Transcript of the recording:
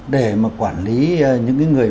để mà quản lý những cái người